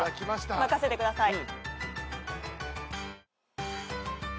任せてください。